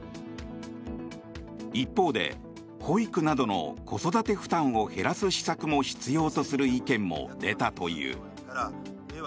一方で、保育などの子育て負担を減らす施策も必要とする意見も出たという。